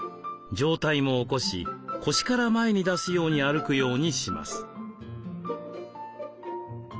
上体も起こし腰から前に出すように歩くようにします。